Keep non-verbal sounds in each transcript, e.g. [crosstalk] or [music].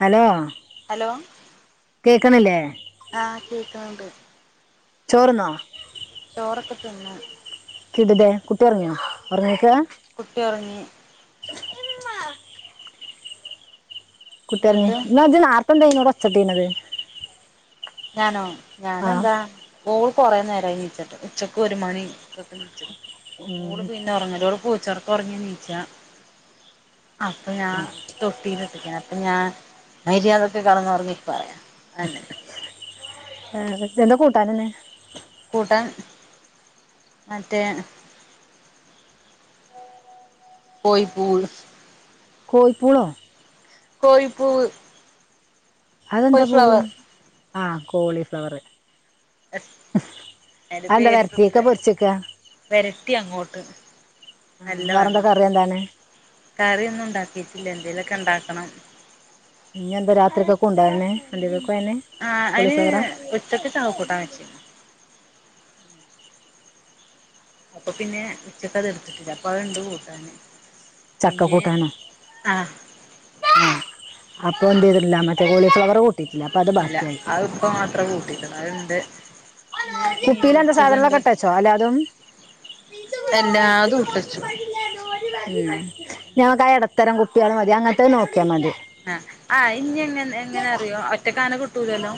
Hello. Hello. ക്ക്‌ണില്ലേ. ആ കേക്കണണ്ട്‌. ചോറ്ന്നോ. ചോറൊക്കെ തിന്നു. ഇതിലെ കുട്ടി ഒറങ്യോ. കുട്ടി ഒറങ്ങി. കുട്ടി ഒറങ്ങ്യ എന്നിട്ട് ഇന്നഇജ്ജ്‌ നേർത്തെന്ത്യേനു ഇവടൊച്ചട്ടീന്നത്. ഞാനോ ഞാനെന്താ ഓ കൊറേ നേരായി നീച്ചിട്ട് ഉച്ചക്ക് ഒരു മണിക്കൊക്കെ നീച്ചത ഉം, മോൾ പിന്നെ ഒറങ്ങൂല ഓൾ പൂചൊറക്ക. ഒറങ്ങി നീച്ച അപ്പ ഞാ ആ. തൊട്ടീലിട്ടിക്കൻ അപ്പ ഞാൻ. മര്യാദക്ക് കടന്നൊറങ്ങി പായാം അയനെ. ഏ വെജെന്റെ കൂട്ടാനന്നെ. കൂട്ടാൻ മറ്റേ. പൊയ്പൂവ് കോയിപ്പുള്ളോ. പോയിപ്പുവ്. അതെന്താ പൂവ് ആഹ കോളിഫ്ലവറ്. എന്റെ പേരിട്ട വരത്തിയൊക്കെ പൊരിച്ചിക്ക പെരട്ടി അങ്ങോട്ട്. ആ നല്ല വേറെന്താ വണ്ണം കറി എന്താണ്. കറിയൊന്നും ഉണ്ടാക്കിട്ടില്ല എന്തേലൊക്കെ ഉണ്ടാക്കണം. ഇഞ്ഞെന്താ രാത്രിക്കക്കുണ്ടാ അര്നെ. [unintelligible] ആ അതിന് ഉച്ചക്ക് സവ് കൂട്ടാൻ വെച്ച്. അപ്പൊ പിന്നെ ഉച്ചക്ക അതെടുത്തിട്ടില്ല അപ്പൊ അത്ണ്ട് കൂട്ടാന്. ചക്ക പിന്നെ കൂട്ടാനോ ആ ആ, അപ്പൊ എന്ത് ചെയ്തിട്ടില്ല മറ്റേ കോളിഫ്ലവർ. കൂട്ടിയിട്ടില്ല അപ്പൊ അത് ഇല്ല ബാക്കിയായി അത് ഇപ്പം അത്ര കൂട്ടീട്ടില്ല അതിണ്ട്. കുപ്പീലെന്താ സാധനാങ്ങളൊക്കെ ഇട്ടച്ചോ അല്ലാതും. എല്ലാതുട്ടച്ചു. ഞങ്ങ്ക്കാ എടത്തരം കുപ്പിയാള് മതി അങ്ങൻത്തെഅ ന്നോക്കിയാ മതി. ആഹ ആഹ് ഇനി എങ്ങനെ എങ്ങനേ അറിയോ ഒറ്റക്കങ്ങനെ കിട്ടൂലല്ലോ.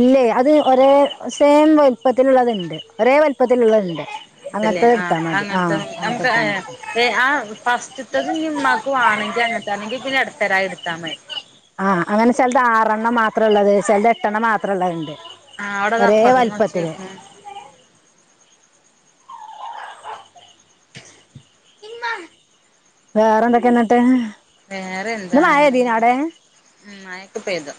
ഇല്ലേ അത് ഒരേ സേമ് വെല്പ്പത്തില്ള്ളത്ണ്ട് ഒരേ വെൽപ്പ ത്തില്ള്ളത്ണ്ട്. ഇണ്ട്ല്ലേ ആഹ് അങ്ങൻത്തം ന്നമ്ക്ക് എടുത്താൽ എ മതി ഏ ആ ഫസ്റ്റ്ത്തത് ഇന്നിമ്മാക്ക് വാണെ. ഇജി അങ്ങനത്താണങ്കിൽ പിന്നെ എടുത്തരായിടുത്താ മതി. ആഹ അങ്ങനെ ചെലത് ആറെണ്ണം മാത്രം ഇള്ളത് ചെലത് എട്ടെണ്ണം മാത്രം ഇള്ളണ്ട്. ആ അവിടെ അത് ഒരേ അപ്പുറത്ത്ന്ന് ഒച്ച വല്പത്തിൽ. കേൾക്കണു വേറെന്തൊക്കെ എന്നിട്ട്. വേറെന്താ ഇന്ന് മഴ അങ്ങനെ പെയ്തീനോ പോണു അവിടെ മയൊക്കെ പെയ്തു.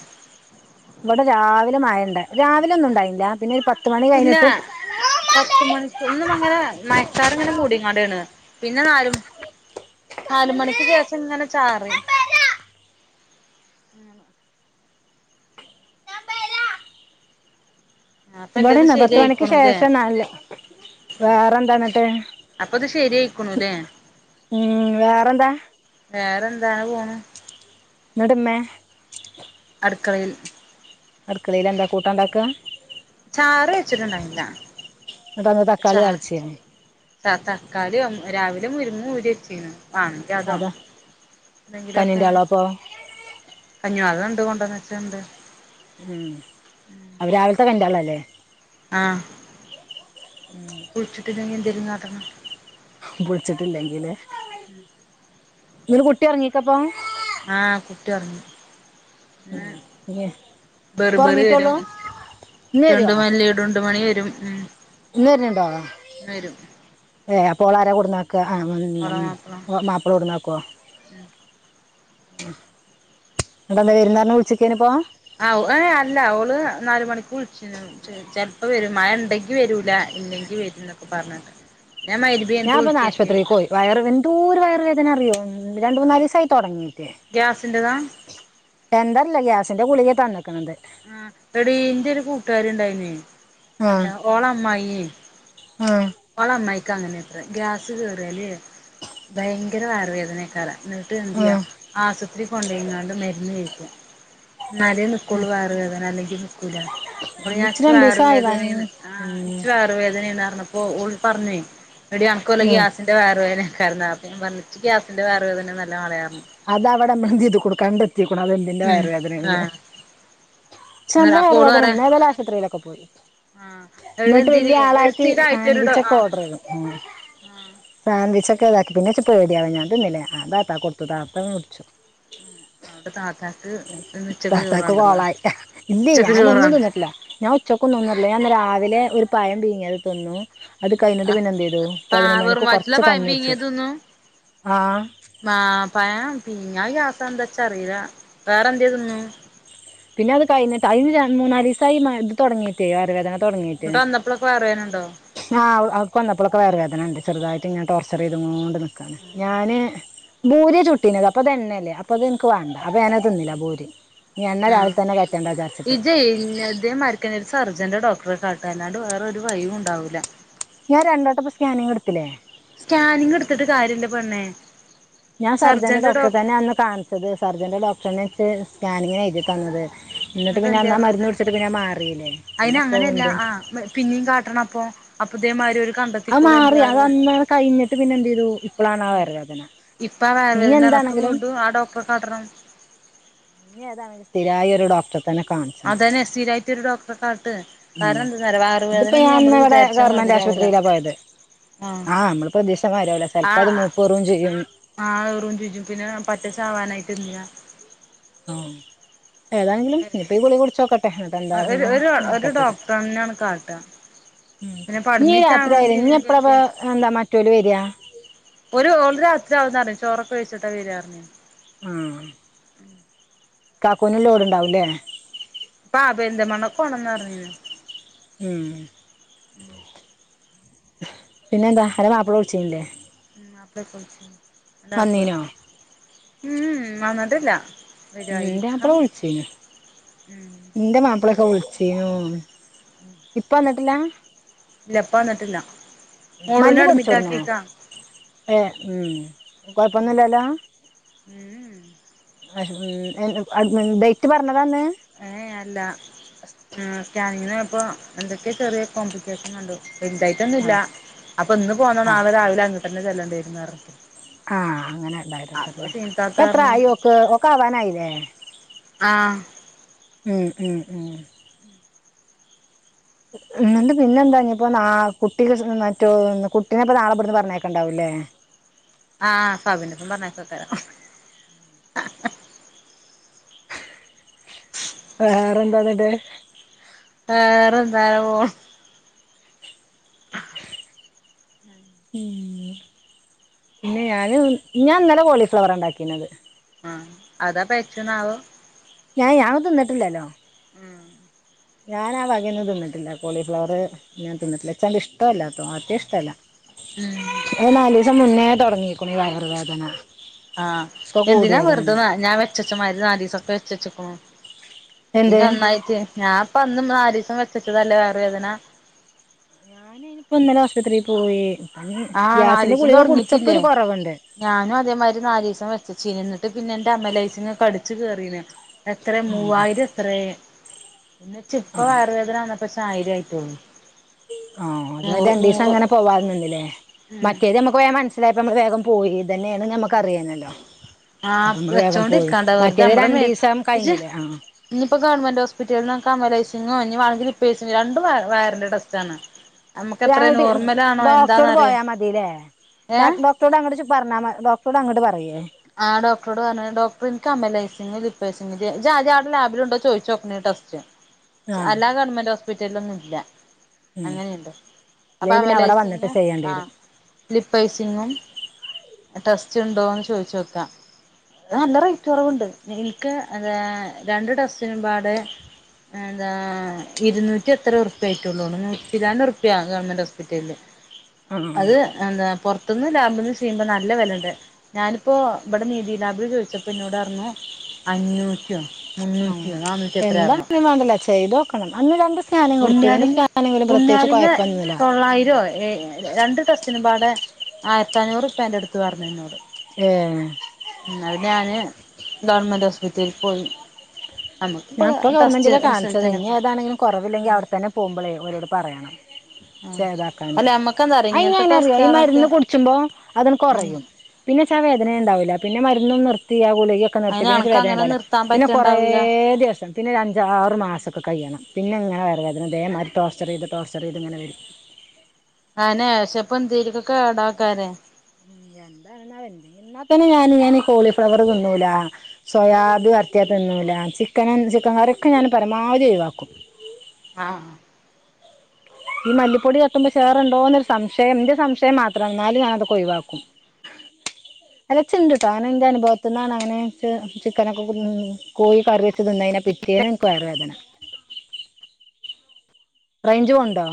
ഇവിടെ രാവിലെ മയണ്ട്‌ രാവിലെ ഒന്നും ഉണ്ടായില്ല പിന്നെ ഒരു പത്ത്. മണി ഇല്ലാ കഴിഞ്ഞിട്ടും പത്ത്മണിക്കും ന്നും അങ്ങനെ മയക്കാറ് ഇങ്ങനെ മൂടിങ്ങാണ്ടേന്ന്. പിന്നെ ന്നാല്മ നാല്മണിക്ക് ശേഷം ഇങ്ങനെ ചാറി. ഉം. അപ്പൊ എന്റെത് ഇവടെനെ പത്ത്മണിക്ക് ശരിയായിക്കണുല്ലേ ശേഷം ന്നല്ല വേറെന്താന്ന്ട്ട്. അപ്പൊ ഇത് ശരിയായിക്കണുല്ലേ ഉം വേറെന്താ. വേറെന്താ അഅപോണു. ഇങ്ങട്‌മ്മേ ക്കഴ് എന്താ കൂട്ടാണ്ടാക്ക ച്ചാറ് വെച്ചിട്ട്ണ്ടായ്ന്നില്ല എന്നിട്ട് അന്ന് തക്കാളി ചാ. താളിച്ചേന് ത തക്കാളിയും രാവിലെ മുരിങ്ങ ഊരി വെച്ചീന്നു. കാണിക്ക അതോ അതാ എന്തെങ്കിലൊക്കെ കഞ്ഞിന്റെളോ അപ്പൊ കഞ്ഞു അത ത് കൊണ്ടന്നച്ചണ്ട് മ് അവ രാവിലത്തെ കണ്ടാള്ളല്ലേ. ആഹ് വിളിച്ചിട്ടില്ലെങ്കി എന്തെലും കാട്ടണം. വിളിച്ചിട്ടില്ലെങ്കില് ഇല് കുട്ടി ഇറങ്ങീക്കിപ്പൊ ആഹ് കുട്ടി ഒറങ്ങി ഇന്ന് ഇപ്പൊ ബെർബറി വരും ഉറങ്ങീട്ടുള്ളൂ ഇന്ന് ടുണ്ടുമല്ലി ടുണ്ടുമണി വരും ഉം ഇന്ന്‌ വരുന്നുണ്ടോ ഇന്ന് വരും ഏ അപ്പോ അവളെ ആരാ കൊണ്ടുന്നാക്കുക ഓളെ മാപ്പള മാപ്പിള കൊണ്ടൂന്നാക്കുവോ ഉം ആഹ് എന്നിട്ടെന്താ വരൂന്ന് പറഞ്ഞ് വിളിച്ചേക്കിനിപ്പോ ആ ഏ അല്ല ഓള് നാല് മണിക്ക് വിളിച്ചിന് ചെലപ്പോ വരും മഴ ഇണ്ടെങ്കി വരൂല ഇല്ലെങ്കിൽ വരൂന്നൊക്കെ പറഞ്ഞിട്ട് ഞാൻ മഗ്‌രിബ് കഴിഞ്ഞിട്ട് ഞാനിപ്പോ ഒന്ന് വിളിച്ചോക്കിയേനു ആശുപത്രീക്ക് പോയി വയറ് എന്തോരു വയറ് വേദന അറിയോ രണ്ട് മൂന്നാലീസായി തുടങ്ങീട്ട് ഗ്യാസിന്റേതാ എന്താറില്ല ഗ്യാസിന്റെ ഗുളികയാ തന്നേക്കണത് ആഹ് എടീ എന്റെ ഒരു കൂട്ടുകാരി ഇണ്ടായിന്നെ ആഹ് എന്താ ഓളെ അമ്മായിയേ ആഹ് ഓളെ അമ്മായിക്കും അങ്ങനേത്രെ ഗ്യാസ് കേറിയാല് ഭയങ്കര വയറ് വേദനയാക്കാറെ എന്നിട്ട് എന്ത് ചെയ്യാ ആഹ് ആശുപത്രി കൊണ്ടയിങ്ങാണ്ട് മരുന്ന് കഴിക്കുക എന്നാലെ നിക്കൂളു വയറ് വേദന അല്ലെങ്കിൽ നിക്കൂലാ ഇച്ച് കുഞ്ഞാവക്ക് രണ്ടീസായി ഭയ വയറുവേദനയെന്ന് ആ ഉം എനിച്ച് വയറുവേദനയാന്ന് പറഞ്ഞ പ്പോ ഓള് പറഞ്ഞേ എടി അനക്ക് വല്ല ഉം ഗ്യാസിന്റെ വയറ് വേദന [unintelligible] അപ്പൊ ഞാൻ പറഞ്ഞ് ഇച്ച് ഗ്യാസിന്റെ വയറ് വേദനയൊന്നും അല്ല മോളെ പറഞ്ഞു അത് അവടെ [unintelligible] കൊടുക്കാണ്ട് ത്തിക്കണു അത് എന്തിന്റ ഉം വയറ് വേദന ആന്നെന്ന് ആഹ് എനിച്ച് നല്ല അന്നേരം അപ്പൊ വയറ് ഓള് വേദനയാരുന്നു പറയാ ഇന്നേതായാലും ആശുപത്രിയിലൊക്കെ പോയി ആഹ് എന്നിട്ട് എന്തിന് വല്യ ആളായിട്ട് സ്ഥിരായിട്ടൊരു ഡോ സാൻവിച്ചൊക്കെ ആഹ് ഓർഡർ ചെയ്തു സാൻവിച്ചൊക്കെ ഇതാക്കി പിന്നെ എച്ച് പേടിയാണ് ഞാൻ തിന്നില്ല ഞാൻ താത്താക്ക് കൊടുത്തു താത്ത അത് മേടിച്ചു ഉം അവിടെ താത്താക്ക് ഇന്ന് ഉച്ചക്ക് ചോറ് താത്തക്ക് വാണ്ടല്ലോ കോളായി ഇല്ലേ ഉച്ചക്ക് ചോറ് ഞാനൊന്നും വാണ്ട തിന്നിട്ടില്ല ഞാൻ ഉച്ചക്കൊന്നും ഒന്നും തിന്നിട്ടില്ല ഞാൻ ഇന്ന് രാവിലെ ഒരു പയം പീങ്ങിയത് തിന്നു അത് കഴിഞ്ഞിട്ട് ആഹ് പിന്നെ എന്തെയ്തു പാ വെറും പതിനൊന്നണിക്ക് വയറ്റിലാ കൊർച് പഴം കഞ്ഞിടിച്ചു പീങ്ങിയത് തിന്നും ആഹ് പയം പീങ്ങിയാ ഗ്യാസാ എന്താച്ചറീല വേറെന്തെ തിന്നു പിന്നെ അത് കയ്ഞ്ഞിട്ട് അയിന് മൂന്നാലീസായി ഇത് തൊടങ്ങിട്ടേ വയറ് വേദന തൊട്ങ്ങീറ്റ് ഇങ്ങട്ട് വന്നപ്പോളൊക്കെ പറയാനുണ്ടോ ആഹ് അവ് അവ്ട്ക്ക് വന്നപ്പോഴൊക്കെ വയർ വേദനണ്ട് ചെറുതായിട്ട്ങ്ങനെ ടോർച്ചറി ചെയ്ത്ങ്ങോണ്ട് നിക്കാണ് ഞാന് ഭൂരിയാ ചുട്ടീനത് അപ്പത്എണ്ണല്ലേ അപ്പ അത് എനിക്ക് വേണ്ട അപ്പ ഞാനത് തിന്നില്ല ഭൂരി ഈ എണ്ണ രാവിലെ ആഹ് തന്നെ കയറ്റേണ്ട വിചാരിച്ചിട്ട് ഇജ്ജെയ് ഇതേമാരിക്കന്നെ ഒരു സർ ജന്റെ ഡോക്ടറെ കാട്ട് അല്ലാണ്ട് വേറൊരു വഴിയും ഉണ്ടാവൂല്ല ഞാൻ രണ്ടോട്ടപ്പോൾ സ്കാനിങ് എടുത്തില്ലേ സ്കാനിങ് എടുത്തിട്ട് കാര്യല്ല പെണ്ണേ ഞാൻ സർജന്റെ ഡോക്ടറെ തന്നെ അന്ന് കാണിച്ചത് സർജന്റെ ഡോക്ടറന്നേ ഇച്ച് സ്കാനിങ്ങിനെഴുതി തന്നത് ഇന്നിട്ട് എന്നിട്ട് പിന്നെ അന്നാ എന്തിയാർന്നു മരുന്ന് കുടിച്ചിട്ട് പിന്നെ മാറീലെ പിന്നെ അയിന് ഇപ്പ അങ്ങനെയല്ല വീണ്ടും ആഹ് പിന്നിം കാട്ടണം അപ്പൊ അപ്പൊ ഇതേമാരിയൊരു അത് മാറി അതന്നാണ് കഴിഞ്ഞിട്ട് പിന്നെ എന്തെയ്തു ഇപ്പളാണാ ഉം വയറ് വേദന ഇപ്പ ആ വയറ് വേദനാർഞ്ഞാ ഇപ്പ വീണ്ടും ആ ഡോക്ടറെ കാട്ടണം ഇഞ്ഞി ഏതാണെങ്കിലും സ്ഥിരായൊരു ഡോക്ടറെ തന്നെ കാണിച്ചണം അതന്നെ സ്ഥിരായിട്ട് ഒരു ഡോക്ടറെ കാട്ട് ഉം കാരണം എന്താന്നറിയോ വയർവേദനൊന്നും ഞമ്മള് വിചാരിച്ച മാതിരി ന്റ ആശുപത്രിയിലാ പോയത് ആഹ് നമ്മള് പ്രതീക്ഷ മാരിയാവൂലാ ചെൽപ്പോ അത് ആഹ് മൂപ്പേറും ചെയ്യും ആഹ് ഏറും ചെയ്യും പിന്നെ പറ്റെ ചാവാനായിട്ടെന്തിനാ ആഹ് ഏതാെണെങ്കിലും ഇനിപ്പൊ ഈ ഗുളികകുടിച്ചോക്കട്ടെ ന്നിട്ട് ഒരു എന്താന്ന് ഒരു ഒരു നോക്കട്ടെത് ഡോക്ടറെന്നെയാണ് കാട്ടാ ഉം പിന്നെ ഇപ്പ ഇഞ്ഞീ അഡ്മിറ്റ് രാത്രി ആവണത് ആയിലേ ഞ്ഞി എപ്പളാപ്പൊ ഇതിന്റെയൊക്കെ മറ്റോല് വരാ ഓര് ഓള് രാത്രി ആവുന്നറിഞ്ഞ് ചോറൊക്കെവെയിച്ചിട്ടാ വെരാറിഞ്ഞ്. ആഹ് കാക്കൂന് ലോഡ്ണ്ടാവുലേ? ആഹ് പെരിന്തൽമ്മണ്ണക്ക് പോണന്ന് പറഞ്ഞീനു ഉം. ഉം. പിന്നെന്താ [unintelligible] മാപ്പള വിളിച്ചീനില്ലെ? മാപ്പളെക്കെ വിളിച്ചീനി അൻ്റെ മാപ്പള വന്നീനോ വിളിച്ചോ? ഉം ഉം വന്നിട്ടില്ല. ഉം ഇൻ്റാപ്പള വരുവായിരിക്കാം വിളിച്ചീനി ഉം ഇന്റെ മാപ്പളൊക്കെ വിളിച്ചീനൂ, ഇപ്പ വന്ന്ട്ടില്ല? ഇല്ല ഇപ്പ വന്ന്ട്ടില്ല മോളൂനെ മല്ലി പൊടിച്ചോടുന്നോ അഡ്മിറ്റാക്കീക്കാ ഏ ഉം കൊഴപ്പൊന്നുല്ലാല്ലോ? ഉം [unintelligible] ഡേറ്റ് പറഞ്ഞ ഏയ് അല്ല, ഉം. സ്കാനിങ്ങിനോയപ്പോ എന്തൊക്കെ ചെറിയ കോംപ്ലിക്കേഷന്ണ്ട്. ആ വെൽതായിട്ടൊന്നുല്ല, അപ്പൊന്ന് പോന്ന ആ നാളെ രാവിലെ അങ്ങട്ടന്നെ ചെല്ലണ്ടേരുന്നറ ആ അങ്ങനെ ണ്ടായിരാക്കാല്ലേ സീൻത്താത്ത പറഞ്ഞു ഇപ്പെത്രായി ഓക്ക്, ഓക്ക് ആവാനായിലേ? ആഹ് ഉം ഉം ഉം. എന്നിണ്ട് പിന്നെ ന്താനിപ്പോ ന കുട്ടിക്ക് മറ്റോ കുട്ടിനെപ്പോ നാളെ ഇബട്ന്ന് പറഞ്ഞേക്ക്ണ്ടാവൂലേ. [inaudible] ആ [unintelligible] പറഞ്ഞേക്കാക്കാരം. വേറെന്താന്നെട്ട്. വേറെന്താ പോ ഉം. പിന്നെ ഞാന് ഞാൻന്നലെ കോളിഫ്ലവറാണ്ടാക്കീനത്. ആഹ് അതാ പേയച്ചോന്നുവോ? ഞായ് ഞ തിന്ന്ട്ടില്ലാലോ ഉം. ഞാനാവകയെന്നും തിന്ന്ട്ട്ല്ല കോളിഫ്ലവറ് ഞാൻ തിന്ന്ട്ട്ല്ല [unintelligible] ഇഷ്ടേവല്ലാത്തോ [unintelligible] ഇഷ്ടല്ല. ഉം ഒരു നാലൂസം മുന്നേ തൊടങ്ങീക്ക്ണൂ വയറ് വേദന ആഹ് എന്തിനാ വെറ്തെ നാ ഞാ വെച്ചെച്ചമാരി നാലീസൊക്കെ വെച്ചെച്ച്ക്ക്ണൂ എന്ത് പിന്നെ ഒന്നായിറ്റ് ഞാ അപ്പൊ അന്നും നാലീസം വെച്ചച്ചതല്ലേ വയറ് വേദന ഞാൻ അയ്നിപ്പോ ന്നലെ ആശുത്രീ പോയീ ആ നാലീസം തൊടങ്ങിറ്റില്ലേ കുറവുണ്ട് ഞാനും അതേമാരി നാലീസം വെ [unintelligible] ന്നട്ട് പിന്നന്റെ [unintelligible] കട്ച്ചു കീറീന് എത്രേ മൂവായിരം എത്രേ എന്ന് വെച്ചിപ്പ ആ വയറ് വേദ്ന വന്നപ്പോഷായിരായിട്ടോള്ളൂ. ആഹ് അത് രണ്ടീസം ങ്ങനെ പോവാത് നിന്ന്ലേ, ഉം മറ്റേത് ഞമ്മക്ക് വേം മനസ്സ്ലായപ്പോ അമ്മ വേഗം അതന്നേണ് ഞമ്മക്ക്റിയേന്നല്ലോ. അപ്പൊ ആഹ് അമ്മള് വേഗം പോയി, വെച്ചോണ്ടിരിക്കാണ്ട മറ്റേത് രണ്ടീസം കഴ്ഞ്ഞിലേ ആ. ഇന്ന്പ്പ ഗവൺമെൻ്റോസ്പിറ്റെൽന്ന് ങ്ങീ വാണെങ്കി [unintelligible] രണ്ടും വയറിന്റെ ടെസ്റ്റാണ്. നമുക്ക് എത്ര ഞാൻട്ട് നോർമലാണോ ഡോക്ടറോട് എന്താന്നറിയാൻ പോയാൽ മതില്ലേ ഏഹ് ഡോക്ടറോട് അങ്ങട്ട് പറഞ്ഞാ [unintelligible] ഇവടെ അങ്ങട്ട് പറയേ ആ ഡോക്ടറോട് പറഞ്ഞ ഡോക്ടർ ഇൻക്ക് അമൽ ഐ സി [unintelligible] ജ്ജാദ്യവ്ടെ ലാബില്ണ്ടോ ചോയിച്ചോക്കണ്ടീ ടെസ്റ്റ് ആ എല്ലാ ഗവൺമെന്റ് ഹോസ്പിറ്റൽലും ഇല്ല, ഉം അങ്ങനെയുണ്ടോ അപ്പൊ, ഇല്ലേ പിന്നെ അമല അവിടെ വന്നിട്ട് ഐസിങ്ങും, ചെയ്യേണ്ടി ആ, വരും ലിപ്പ് ഐസിങ്ങും ടെസ്റ്റ്, ഉണ്ടോന്ന്, ചോയിചോക്കാം. നല്ല, റേറ്റ്, കൊറവുണ്ട്, ൻക്ക്, രണ്ട്, ടെസ്റ്റിനുംപാടെ എന്താ, ഇരുന്നൂറ്റി, എത്ര ഉറുപ്പ്യയിട്ടള്ളൂ, നൂറ്റി ചില്ലാൻഡ്ർപപ്യ, ഗവൺമെന്റോസ്പിറ്റല് ആ അത്, എന്താ, പൊറത്ന്ന്, ലാമ്പിൽന്ന്, ചെയ്യുമ്പോ, നല്ല, വിലണ്ട്, ഞാൻ ഇപ്പൊ, ബെടെ, നീതി ലാബിൽ, ചോദിച്ചപ്പോ, ന്നോട്, റന്നു അഞ്ഞൂറ്റിയോ ഉം, മുന്നൂറ്റിയോ നാന്നൂറ്റി എത്രയോ പറഞ്ഞു എന്താണും, വേണ്ടല്ല, ചെയ്തോക്കണം, അന്ന്, രണ്ട്, സ്കാനി, കൊടുത്തു, രണ്ട്, സ്കാനിലും, പ്രത്യേക കാനിങ്, തൊള്ളായിരോ, രണ്ട്, ടെസ്റ്റിനുംപാടെ, ആയിരത്തിഞ്ഞൂറ് പ്പേന്റട്ത്ത്, പരഞ്ഞ് ന്നോട് ഏ ഉം, അത്, ഞാന്, ഗവണ്മെന്റ്, ഹോസ്പിറ്റലിൽ, പോയി. നമ്മുക്കിപ്പോ ഞാൻ, ഇപ്പോ, ഗവൺമെന്റി, ടെസ്റ്റ് ല കാണിച്ചത്, റിസൾട്ടന്നെപ്പോ ഇനിഏതാണെങ്കിലും, കുറവില്ലെങ്കിൽ, അവിടെ, തന്നെ, പോകുമ്പോളേ, രോട്, പറയണം. ആഹ്, അല്ല, അമ്മക്ക അയ്ങ്ങനെ അറിയോ ഈ മരുന്ന് കുടിച്ചുമ്പോ അതങ്ങ് ഉം കൊറയും പിന്നെ ച്ചാ വേദനെണ്ടാവില്ല പിന്നെ മരുന്ന് ന്നും നിർത്തി ആ ഗുളികക്കെ നിർത്തി അയിന് പിന്നെച്ച് അനക്ക് വേദന അങ്ങനെ ഇണ്ടാവൂല നിർത്താൻ പിന്നെ കൊറയെ പറ്റണ്ടാവൂല ച്ചേസം പിന്നെ ഒരഞ്ചാറ് മാസൊക്കെ, കയ്യണം, പിന്നെങ്ങനെ വെര് വേദന ഇതേ മാതിരി, ടോർച്ചെറെയ്ത്, ടോർച്ചെറെയ്ത് ഇങ്ങനെ വെരും ആന്നെ ഷെപ്പോ ന്തേലൊക്കെ ആഡാക്കാനെ എന്താ [unintelligible] ഇന്നാ തന്നെ ഞാന് കോളീഫ്ലവറ്, തിന്നൂല്ല, സോയാബി വരട്ടിയ തിന്നു തിന്നൂലാ ചിക്കനും ചിക്കൻ കറിയൊക്കെ ഞാൻ പരമാവധി ഒഴിവാക്കും ആഹ് ആഹ് ഈ മല്ലിപ്പൊടി തട്ടുമ്പോ ഛേറണ്ടോന്നൊരു സംശയം ഇന്റെ സംശയം മാത്രാണ് ന്നാലും ഞാനതൊക്കെ ഒഴിവാക്കും അല്ല ച്ച്ണ്ട്ട്ടാ അങ്ങനെ ഇന്റനുഭവത്ത്ന്നാണങ്ങനെ ഇച്ച് ചിക്കനൊക്കെ [unintelligible] കോയി കറിവെച്ച് തിന്നയിനെ പിറ്റ് പിറ്റേന്ന് ഇൻക്ക് വയറ് വേദന റേഞ്ച് പോണ്ടോ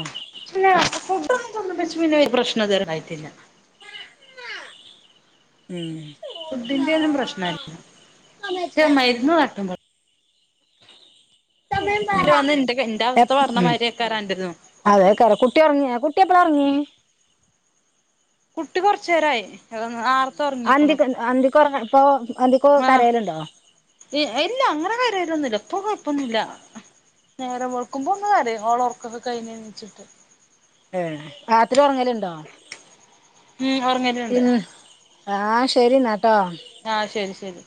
ഇല്ലാ ഫുഡൊന്നും തിന്നു [unintelligible] പിന്നെ ഒരു പ്രശ്നോം ഇതുവരെ ഇണ്ടായിട്ടില്ല. ഉം. ഫുഡിൻ്റെയൊന്നും പ്രശ്നല്ല പക്ഷെ മരുന്ന് തട്ടുമ്പളാ ഉം ഇവര് വന്ന് ഇന്റെ ഇന്റെ അവസ്ഥ എപ് പറഞ്ഞ മാതിരിയേക്കാരം അന്റെതും അതെയ്ക്കാരം കുട്ടി ഒർങ്യാ കുട്ട് ട്ടി എപ്പളാ ഒർങ്ങി കുട്ടി കൊർച്ചേരായി നാർത്ത ഒറങ്ങിക്കുണു അന്തിക്ക് അന്തിക്ക് ഉറങ്ങ ഇപ്പൊ അന്തിക്ക് ആഹ് കരയലുണ്ടോ ഇ ഇല്ല അങ്ങനെ കരായൊലൊന്നുല്ല ഇപ്പൊകൊർ പ്പൊന്നുല്ല നേരംവെളുക്കുമ്പോന്ന് കരയും ഓളെ ഒറക്കൊക്കെ കയിഞ്ഞെണീച്ച്ട്ട് ഏഹ് രാത്രി ഒറങ്ങലുണ്ടോ? ഉം. ഒർങ്ങല്ണ്ട് ആഹ് ശരിന്നാ ആഹ് ശെരി ശെരി.